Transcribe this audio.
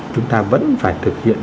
chúng ta vẫn phải thực hiện